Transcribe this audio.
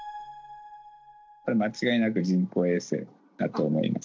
これは間違いなく人工衛星だと思います。